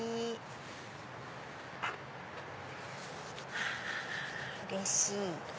はぁうれしい！